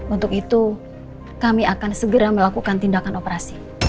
untuk itu kami akan segera melakukan tindakan operasi